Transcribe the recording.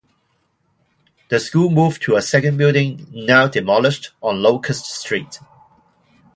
The school moved to a second building, now demolished, on Locust Street.